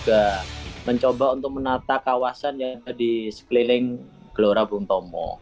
tapi kita juga mencoba untuk menata kawasan yang ada di sekeliling gelora buntomo